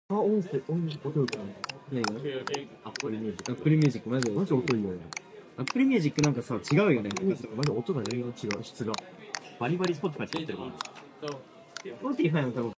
The four demands are justified.